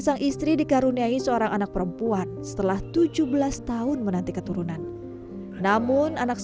sang istri dikaruniai seorang anak perempuan setelah tujuh belas tahun menanti keturunan namun anak